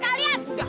terima kasih kalian